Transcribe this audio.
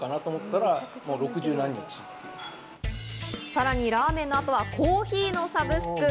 さらにラーメンの後はコーヒーのサブスク。